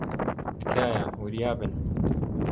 تکایە، وریا بن.